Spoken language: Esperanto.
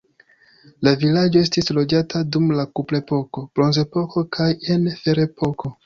La vilaĝo estis loĝata dum la kuprepoko, bronzepoko kaj en ferepoko.